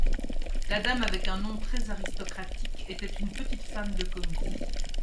La dame, avec un nom très-aristocratique, était une petite femme de commis.